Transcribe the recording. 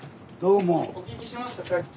お聞きしましたさっき。